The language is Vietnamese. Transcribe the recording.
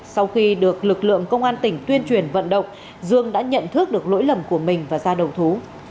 sau khi được lực lượng công an tỉnh tuyên truyền vận động dương đã nhận thức được lỗi lầm của mình và ra đầu thú